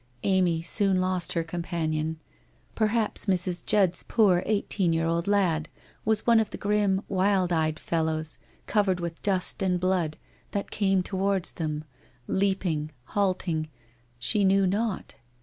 Amy soon lost her companion. Perhaps Mrs. Judd's poor eighteen year old lad was one of the grim, wild eyed fellows, covered with dust and blood, that came towards them, leaping, halt ing — s he knew not?